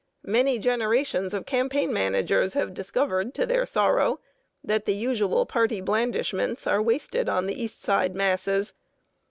Many generations of campaign managers have discovered to their sorrow that the usual party blandishments are wasted on the East Side masses.